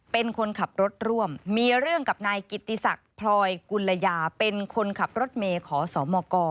เป็นคนขับรถร่วมมีเรื่องกับนายกิติศักดิ์พลอยกุลยาเป็นคนขับรถเมย์ขอสมก